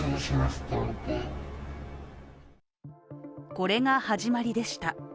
これが始まりでした。